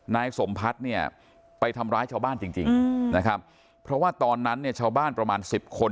นายสมพัฒน์เนี่ยไปทำร้ายชาวบ้านจริงจริงนะครับเพราะว่าตอนนั้นเนี่ยชาวบ้านประมาณสิบคน